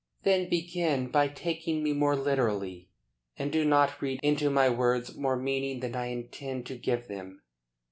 "Then begin by taking me more literally, and do not read into my words more meaning than I intend to give them.